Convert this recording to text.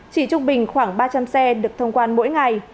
chỉ trung bình khoảng ba trăm linh xe được thông quan mỗi ngày